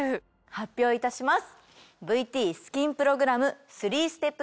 発表いたします。